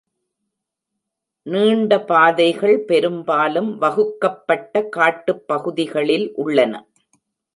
நீண்ட பாதைகள் பெரும்பாலும் வகுக்கப்பட்ட காட்டுப் பகுதிகளில் உள்ளன.